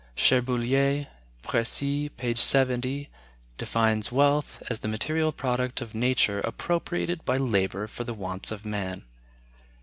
Cherbuliez ("Précis," p. 70) defines wealth as the material product of nature appropriated by labor for the wants of man.